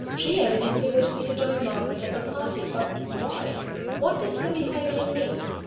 She evidently wished me to join Margaret at the party but why? What did her behaviour mean?